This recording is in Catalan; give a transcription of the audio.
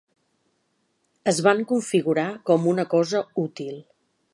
Es van configurar com una cosa útil.